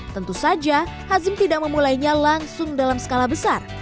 tentu saja hazim tidak memulainya langsung dalam skala besar